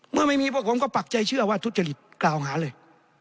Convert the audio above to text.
เมื่อไม่มีพวกผมก็ปักใจเชื่อว่าทุจริตกล่าวหาเลย